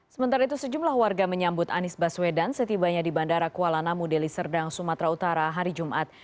sementara itu sejumlah warga menyambut anies baswedan setibanya di bandara kuala namu deli serdang sumatera utara hari jumat